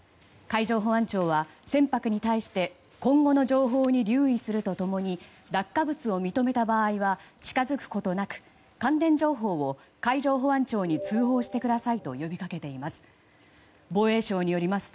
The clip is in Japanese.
海上保安庁は船舶に対して今後の情報に留意すると共に落下物を認めた場合は近づくことなく関連情報を海上保安庁に通報してくださいと呼びかけています。